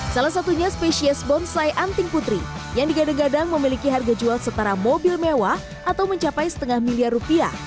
salah satunya spesies bonsai anting putri yang digadang gadang memiliki harga jual setara mobil mewah atau mencapai setengah miliar rupiah